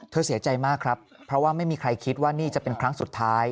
เสียใจมากครับเพราะว่าไม่มีใครคิดว่านี่จะเป็นครั้งสุดท้าย